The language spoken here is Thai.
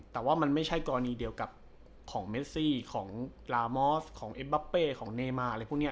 แต่ว่ามันไม่ใช่กรณีเดียวกับของเมซี่ของลามอสของเอ็บบับเป้ของเนมาอะไรพวกนี้